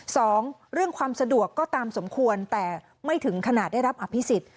สองเรื่องความสะดวกก็ตามสมควรแต่ไม่ถึงขนาดได้รับอภิษฎ